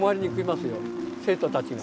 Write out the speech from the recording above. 生徒たちが。